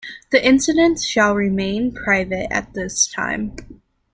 The incidents shall remain private at this time.